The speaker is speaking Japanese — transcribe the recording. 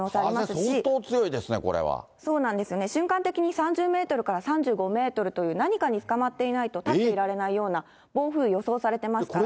相当強いですね、そうなんですよね、瞬間的に３０メートルから３５メートルという、何かにつかまっていないと立ってられないような暴風、予想されてますから。